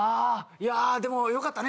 いやーでもよかったね